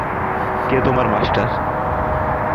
কে তোমার মাস্টার?